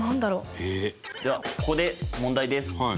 颯喜君：では、ここで問題です。